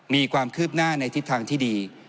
มีความคืบหน้าในทิศทางที่ดี